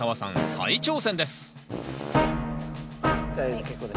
再挑戦です